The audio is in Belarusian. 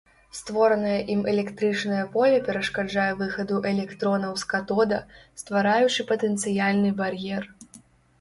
Створанае ім электрычнае поле перашкаджае выхаду электронаў з катода, ствараючы патэнцыяльны бар'ер.